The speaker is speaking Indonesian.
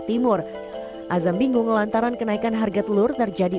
timur azam bingung lantaran kenaikan harga telur terjadi